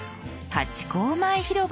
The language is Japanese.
ハチ公前広場。